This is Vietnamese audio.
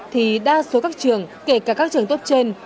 thì đa số các trường kể cả các trường tốt trên